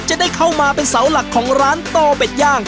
จะได้เข้ามาเป็นเสาหลักของร้านโตเป็ดย่าง